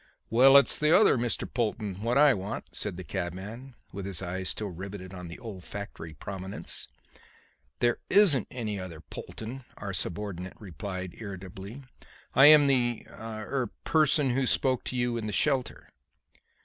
"Well, it's the other Mr. Polton what I want," said the cabman, with his eyes still riveted on the olfactory prominence. "There isn't any other Mr. Polton," our subordinate replied irritably. "I am the er person who spoke to you in the shelter."